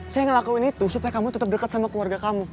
saya ngelakuin itu supaya kamu tetap dekat sama keluarga kamu